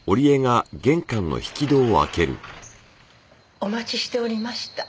お待ちしておりました。